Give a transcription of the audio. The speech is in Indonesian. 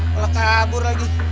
mulai kabur lagi